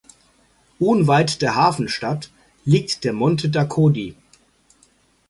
Unweit der Hafenstadt liegt der Monte d’Accoddi.